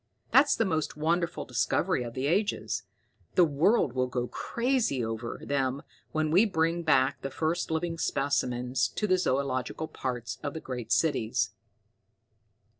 "That's the most wonderful discovery of the ages. The world will go crazy over them when we bring back the first living specimens to the zoological parks of the great cities.